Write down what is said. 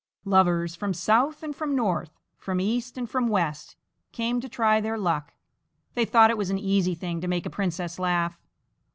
Lovers from south and from north, from east and from west, came to try their luck they thought it was an easy thing to make a princess laugh.